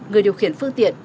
người điều khiển phương tiện